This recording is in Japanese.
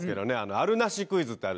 あるなしクイズってあるでしょ？